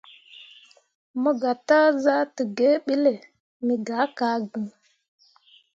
Mo gah taa zahdǝǝge ɓiile me gah ka gŋ.